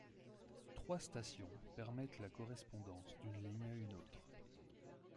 Trois stations permettent la correspondance d'une ligne à une autre.